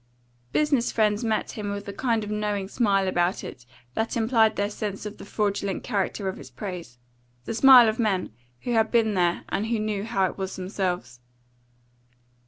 Business friends met him with the kind of knowing smile about it that implied their sense of the fraudulent character of its praise the smile of men who had been there and who knew how it was themselves.